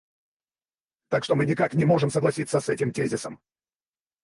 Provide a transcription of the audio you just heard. Так что мы никак не можем согласиться с этим тезисом.